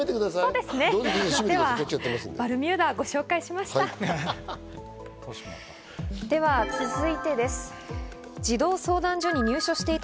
ではバルミューダをご紹介しました。